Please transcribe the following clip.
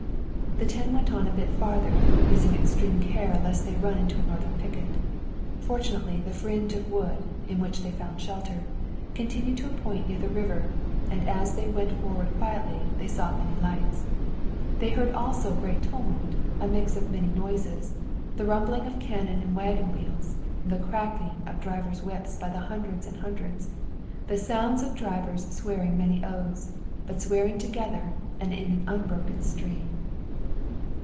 The ten went on a bit farther, using extreme care lest they run into a Northern picket. Fortunately the fringe of wood, in which they found shelter, continued to a point near the river, and as they went forward quietly they saw many lights. They heard also a great tumult, a mixture of many noises, the rumbling of cannon and wagon wheels, the cracking of drivers' whips by the hundreds and hundreds, the sounds of drivers swearing many oaths, but swearing together and in an unbroken stream.